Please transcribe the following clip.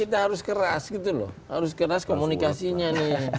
kita harus keras gitu loh harus keras komunikasinya nih